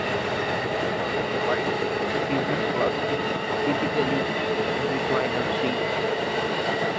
On other flights, Business class is typically a recliner seat.